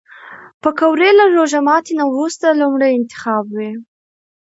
پکورې له روژه ماتي نه وروسته لومړی انتخاب وي